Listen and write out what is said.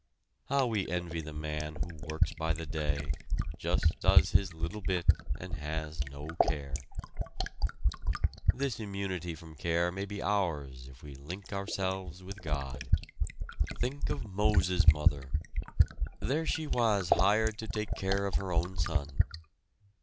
How we envy the man who works by the day, just does his little bit, and has no care! This immunity from care may be ours if we link ourselves with God. Think of Moses' mother! There she was hired to take care of her own son.